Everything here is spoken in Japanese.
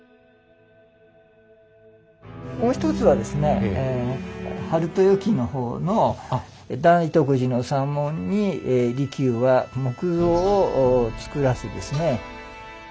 もう一つはですね「晴豊記」の方の「大徳寺の三門に利休は木像をつくらせ」ですね。